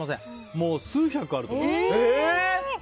もう数百あると思います。